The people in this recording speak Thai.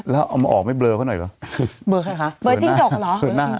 แล้วเอามาออกไหมเบลอเขาหน่อยเหรอเบลอใครคะเบลอจิ้งจกเหรอเบลอหน้า